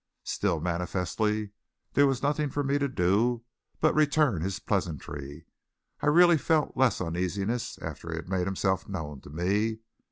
Still, manifestly there was nothing for me to do but return his pleasantry. I really felt less uneasiness after he had made himself known to me.